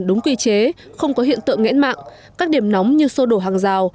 đúng quy chế không có hiện tượng nghẽn mạng các điểm nóng như sơ đổ hàng rào